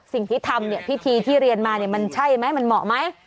สิ่งที่ทำเนี่ยพิธีที่เรียนมาเนี่ยมันใช่ไหมมันเหมาะไหม